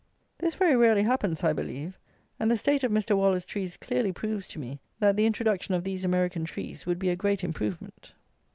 This very rarely happens, I believe; and the state of Mr. Waller's trees clearly proves to me that the introduction of these American trees would be a great improvement.